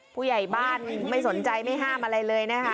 ผู้ใหญ่บ้านไม่สนใจไม่ห้ามอะไรเลยนะคะ